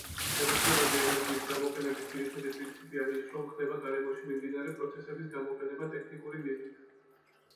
განახლებადი ენერგიის გამოყენების ძირითადი პრინციპია ის, რომ ხდება გარემოში მიმდინარე პროცესების გამოყენება ტექნიკური მიზნით.